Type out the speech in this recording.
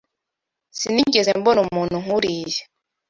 Sinigeze mbona umuntu nkuriya.